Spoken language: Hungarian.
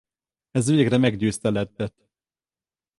Ez végre meggyőzte Laddet.